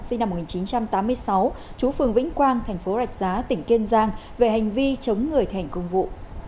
sinh năm một nghìn chín trăm tám mươi sáu chú phường vĩnh quang tp rạch giá tỉnh kiên giang về hành vi chống người thẻnh công vụ